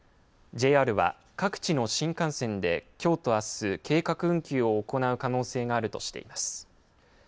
ＪＲは各地の新幹線できょうとあす計画運休を行う可能性があるとしています。